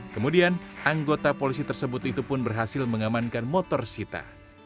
kemudian anggota polisi tersebut itu pun berhasil mengamankan motor sita